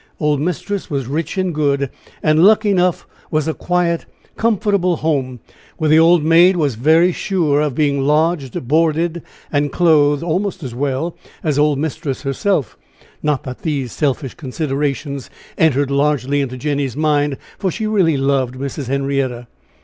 Old mistress was rich and good, and Luckenough was a quiet, comfortable home, where the old maid was very sure of being lodged, boarded, and clothed almost as well as old mistress herself not that these selfish considerations entered largely into Jenny's mind, for she really loved Mrs. Henrietta.